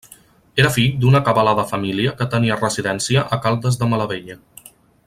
Era fill d'una acabalada família que tenia residència a Caldes de Malavella.